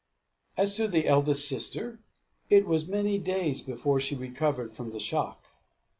As to the eldest sister, it was many days before she recovered from the shock.